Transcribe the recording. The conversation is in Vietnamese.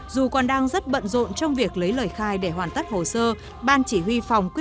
dù còn đang rất bận rộn trong việc lấy lời khai để hoàn tất hồ sơ